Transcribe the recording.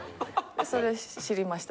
それで知りました。